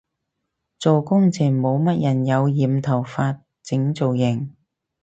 做工程冇乜人有染頭髮整造型